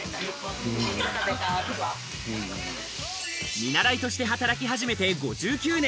見習いとして働き始めて５９年。